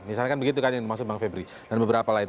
misalnya kan begitu kan yang dimaksud bang febri dan beberapa lain